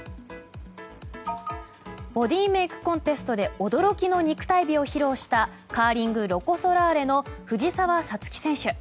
ボディーメイクコンテストで驚きの肉体美を披露したカーリングロコ・ソラーレの藤澤五月選手。